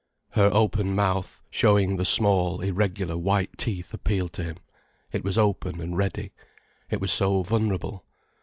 Her open mouth, showing the small, irregular, white teeth, appealed to him. It was open and ready. It was so vulnerable.